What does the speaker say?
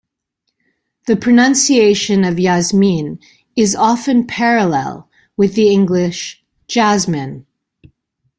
The pronunciation of "Yasmin" is often parallel with the English "Jasmine".